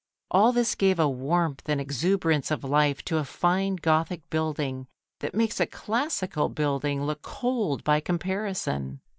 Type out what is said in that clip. All this gave a warmth and exuberance of life to a fine Gothic building that makes a classical building look cold by comparison.